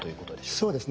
そうですね。